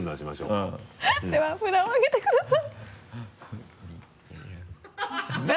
うんでは札を上げてください